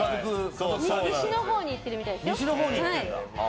西のほうに行ってるみたいですよ。